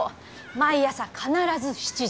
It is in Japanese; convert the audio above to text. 毎朝必ず７時。